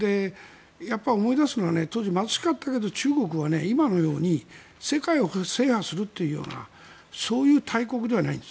やっぱり思い出すのは当時、貧しかったけど中国は、今のように世界を制覇するというようなそういう大国ではないんです。